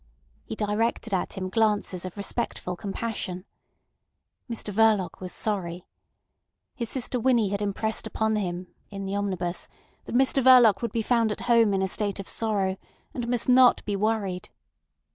He directed at him glances of respectful compassion. Mr Verloc was sorry. His sister Winnie had impressed upon him (in the omnibus) that Mr Verloc would be found at home in a state of sorrow, and must not be worried.